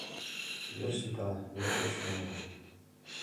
Вер сита, вер пеш йӧнан.